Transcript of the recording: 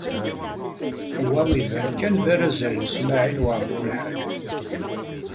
Wa iban kan d arazal n Smawil Waɛmaṛ U Belḥaǧ.